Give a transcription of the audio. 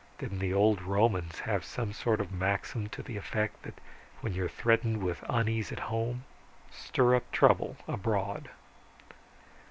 Didn't the old Romans have some sort of maxim to the effect that when you're threatened with unease at home stir up trouble abroad?"